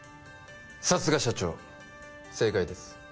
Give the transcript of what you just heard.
さすが社長正解です